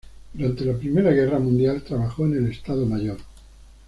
Durante la Primera guerra mundial trabajó en el Estado mayor.